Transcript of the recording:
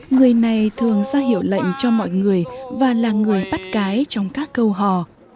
người này thường ra hiệu lệnh cho mọi người và là người bắt cái trong các câu hò